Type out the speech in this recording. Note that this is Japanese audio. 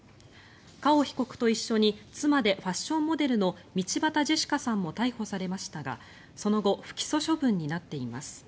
カオ被告と一緒に妻でファッションモデルの道端ジェシカさんも逮捕されましたがその後不起訴処分になっています。